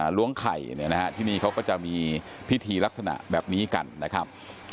ล้วงไข่เนี่ยนะฮะที่นี่เขาก็จะมีพิธีลักษณะแบบนี้กันนะครับ